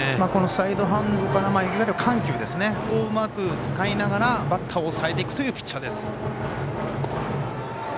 このサイドハンドからいわゆる緩急ここをうまく使いながらバッターを抑えていくというピッチャーです。